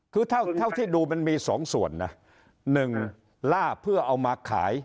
คือเท่าเท่าที่ดูมันมีสองส่วนนะหนึ่งล่าเพื่อเอามาขาย